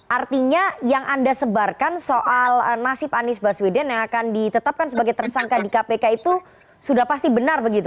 artinya yang anda sebarkan soal nasib anies baswedan yang akan ditetapkan sebagai tersangka di kpk itu sudah pasti benar begitu